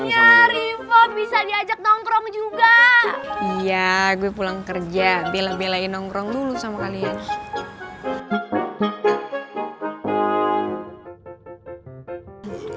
iya gue pulang kerja bela belain nongkrong dulu sama kalian